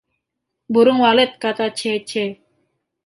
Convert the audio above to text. "Burung walet," kata Chee-Chee.